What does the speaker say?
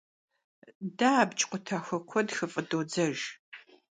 De abc khutaxue kued xıf'ıdodzejj.